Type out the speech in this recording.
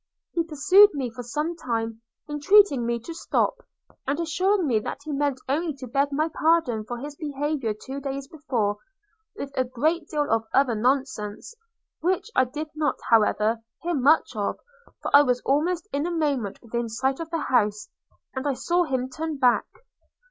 He pursued me for some time, intreating me to stop, and assuring me that he meant only to beg my pardon for his behaviour two days before, with a great deal of other nonsense; which I did not, however, hear much of, for I was almost in a moment within sight of the house, and I saw him turn back.